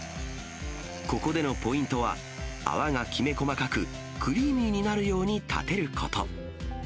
ここでのポイントは、泡がきめ細かく、クリーミーになるようにたてること。